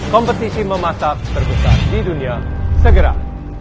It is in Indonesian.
kompetisi memasak terbesar di dunia segera